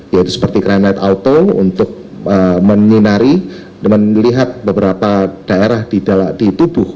yaitu seperti cry night auto untuk menyinari dan melihat beberapa daerah di tubuh